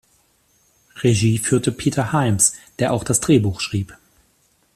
Regie führte Peter Hyams, der auch das Drehbuch schrieb.